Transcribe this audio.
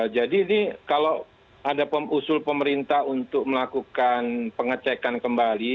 jadi ini kalau ada usul pemerintah untuk melakukan pengecekan kembali